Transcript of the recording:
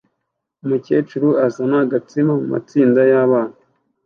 Umukecuru azana agatsima mumatsinda yabana